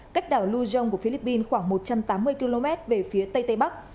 cách đảo luzon của philippines khoảng một trăm tám mươi km về phía tây tây bắc